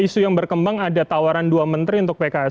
isu yang berkembang ada tawaran dua menteri untuk pks